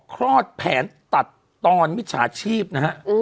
คลอดแผนตัดตอนมิจฉาชีพนะฮะ